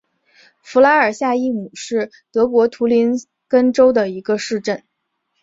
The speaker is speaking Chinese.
弗拉尔夏伊姆是德国图林根州的一个市镇。